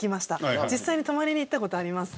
実際に泊まりに行った事あります。